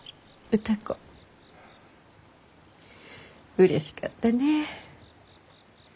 うれしかったねぇ。